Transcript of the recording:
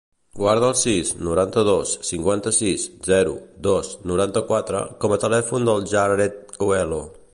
Guarda el sis, noranta-dos, cinquanta-sis, zero, dos, noranta-quatre com a telèfon del Jared Coelho.